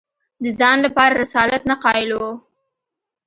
د ځان لپاره رسالت نه قایل وو